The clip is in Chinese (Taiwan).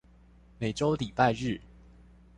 每週禮拜日